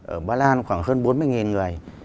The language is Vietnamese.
ở ba lan khoảng hơn bốn mươi người